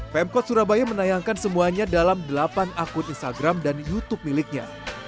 pemkot surabaya menayangkan semuanya dalam delapan akun instagram dan youtube miliknya